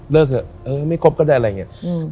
เถอะเออไม่ครบก็ได้อะไรอย่างนี้